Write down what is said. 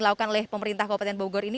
dilakukan oleh pemerintah kabupaten bogor ini